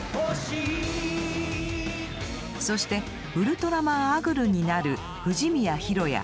そしてウルトラマンアグルになる藤宮博也。